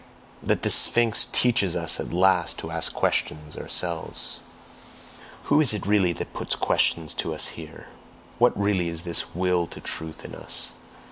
That this Sphinx teaches us at last to ask questions ourselves? WHO is it really that puts questions to us here? WHAT really is this "Will to Truth" in us?